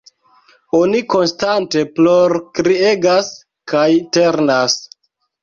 Oni konstante plorkriegas kaj ternas.